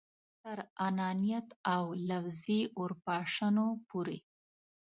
تر انانیت او لفظي اورپاشنو پورې.